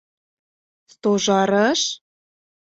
— Стожарыш?